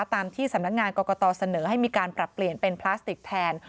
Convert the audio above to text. ตามที่สำนักงานกรกตเสนอให้มีการปรับเปลี่ยนเป็นพลาสติกแทน